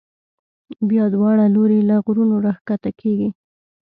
بیا دواړه لوري له غرونو را کښته کېږي.